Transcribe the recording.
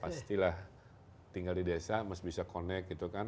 pastilah tinggal di desa masih bisa connect gitu kan